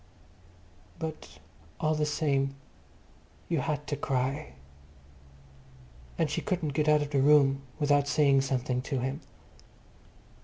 But all the same you had to cry, and she couldn't go out of the room without saying something to him.